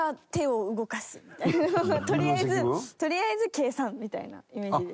とりあえずとりあえず計算みたいなイメージですね。